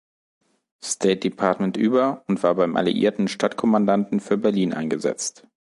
State Department über und war beim alliierten Stadtkommandanten für Berlin eingesetzt.